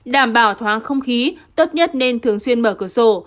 đảm bảo thoáng không khí tốt nhất nên thường xuyên mở cửa sổ